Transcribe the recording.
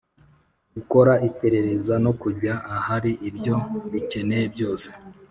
Gukora iperereza no kujya ahari ibyo rikeneye byose